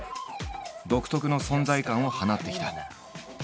独特の存在感を放ってきた。